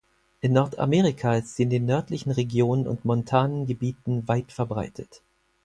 In Nordamerika ist sie in den nördlichen Regionen und montanen Gebieten weit verbreitet.